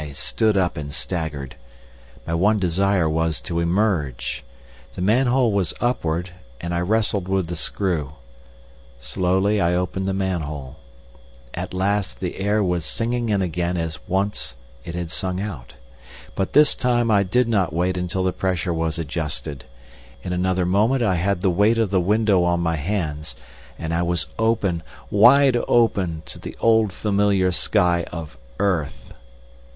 I stood up and staggered. My one desire was to emerge. The manhole was upward, and I wrestled with the screw. Slowly I opened the manhole. At last the air was singing in again as once it had sung out. But this time I did not wait until the pressure was adjusted. In another moment I had the weight of the window on my hands, and I was open, wide open, to the old familiar sky of earth.